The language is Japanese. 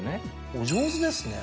お上手ですね